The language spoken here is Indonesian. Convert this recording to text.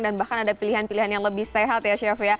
dan bahkan ada pilihan pilihan yang lebih sehat ya chef